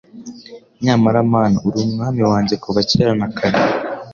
Nyamara Mana uri umwami wanjye kuva kera na kare